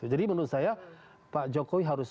jadi menurut saya pak jokowi harus